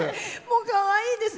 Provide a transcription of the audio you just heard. かわいいですね。